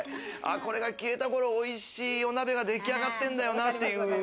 これが消えた頃、おいしいお鍋が出来上がってんだよなっていう。